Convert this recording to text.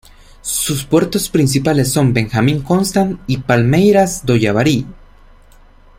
Sus puertos principales son Benjamin Constant y Palmeiras do Yavarí.